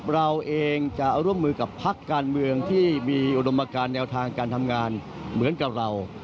เราเองจะร่วมมือกับพักการเมืองที่มีอุดมการแนวทางการทำงานเหมือนกับเรา